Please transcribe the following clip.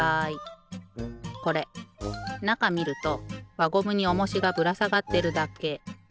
これなかみるとわゴムにおもしがぶらさがってるだけ。